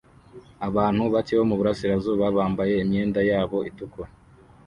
Abantu bake bo muburasirazuba bambaye imyenda yabo itukura